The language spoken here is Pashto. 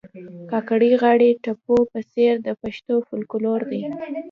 کاکړۍ غاړي ټپو په څېر د پښتو فولکور دي